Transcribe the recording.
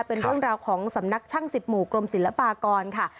เป็นเรื่องราวของสำนักช่างสิบหมู่กรมศิลปากรค่ะ